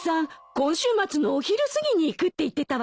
今週末のお昼すぎに行くって言ってたわよ。